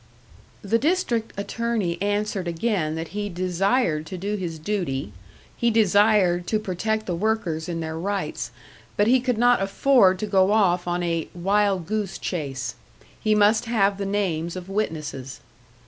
The District Attorney answered again that he desired to do his duty, he desired to protect the workers in their rights; but he could not afford to go off on a "wild goose chase," he must have the names of witnesses.